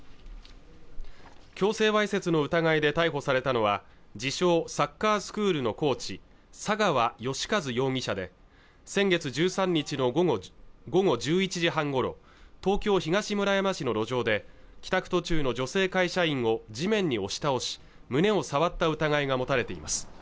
強制わいせつの疑いで逮捕されたのは自称サッカースクールのコーチ佐川禎一容疑者で先月１３日の午後１１時半ごろ東京東村山市の路上で帰宅途中の女性会社員を地面に押し倒し胸を触った疑いが持たれています